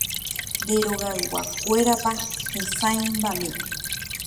Nde rogayguakuérapa hesãimbami.